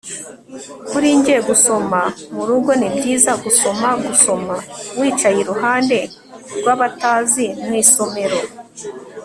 Kuri njye gusoma murugo ni byiza gusoma gusoma wicaye iruhande rwabatazi mu isomero